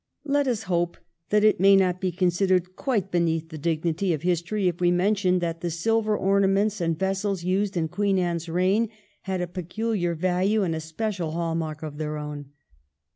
Let us hope that it may not be considered quite beneath the dignity of history if we mention that the silver ornaments and vessels used in Queen Anne's reign had a peculiar value and a special hall mark of their own.